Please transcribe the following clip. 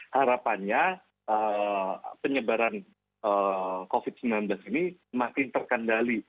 harapannya penyebaran covid sembilan belas ini semakin terkendali